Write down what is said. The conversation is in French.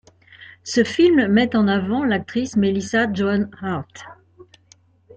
Ce film met en avant l'actrice Melissa Joan Hart.